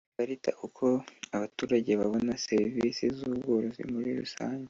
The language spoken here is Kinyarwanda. Ikarita uko abaturage babona serivisi z ubworozi muri rusange